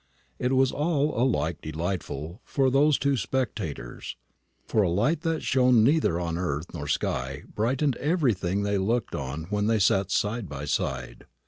It was all alike delightful to those two spectators; for a light that shone neither on earth nor sky brightened everything they looked on when they sat side by side.